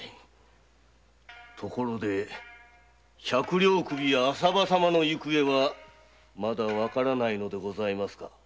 ところで百両首・浅葉様の行方はまだわからないのですか？